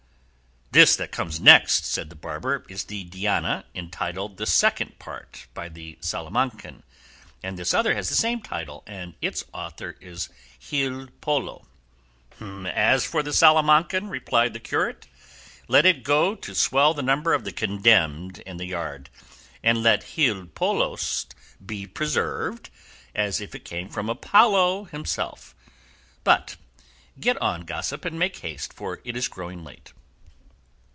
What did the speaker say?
"This that comes next," said the barber, "is the 'Diana,' entitled the 'Second Part, by the Salamancan,' and this other has the same title, and its author is Gil Polo." "As for that of the Salamancan," replied the curate, "let it go to swell the number of the condemned in the yard, and let Gil Polo's be preserved as if it came from Apollo himself: but get on, gossip, and make haste, for it is growing late."